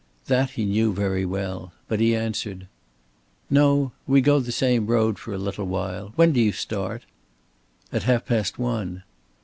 That he knew very well. But he answered: "No. We go the same road for a little while. When do you start?" "At half past one."